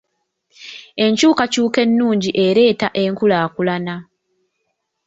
Enkyukakyuka ennungi ereeta enkulaakulana.